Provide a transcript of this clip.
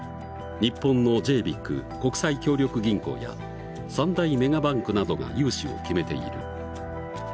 日本のＪＢＩＣ国際協力銀行や三大メガバンクなどが融資を決めている。